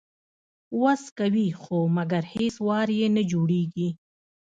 وس کوي خو مګر هیڅ وار یې نه جوړیږي